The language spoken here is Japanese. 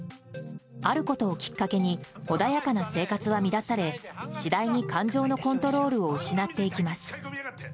あることをきっかけに穏やかな生活は乱され次第に感情のコントロールを失っていきます。